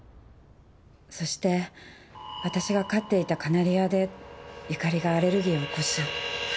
そして私が飼っていたカナリアで由佳里がアレルギーを起こし。